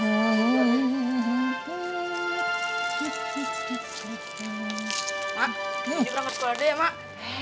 mak udah mau berangkat sekolah udah ya mak